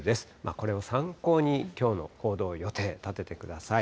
これを参考に、きょうの行動予定、立ててください。